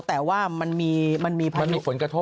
แต่ว่ามันมีมันมีคุณกระทบ